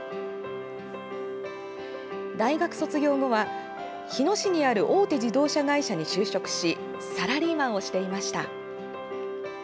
大学卒業後は、日野市にある大手自動車会社に就職しサラリーマンをしていました。